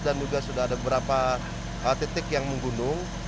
dan juga sudah ada beberapa titik yang menggunung